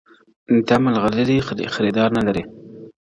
دا مرغلري خریدار نه لري!!